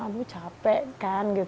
abu capek kan